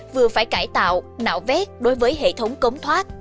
vừa phải cải tạo nạo vét đối với hệ thống cống thoát